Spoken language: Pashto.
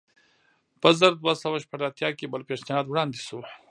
په زر دوه سوه شپږ اتیا کال بل پېشنهاد وړاندې شو.